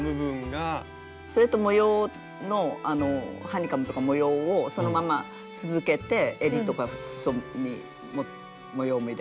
それと模様のハニカムとか模様をそのまま続けてえりとかすそに模様も入れて。